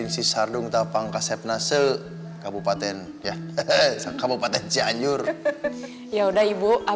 si sardung tapang kasep nasi kabupaten ya hehehe kabupaten cianjur yaudah nanti kita tidur yaudah